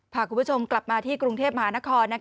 พาคุณผู้ชมกลับมาที่กรุงเทพมหานคร